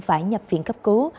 phải nhập viện cấp cứu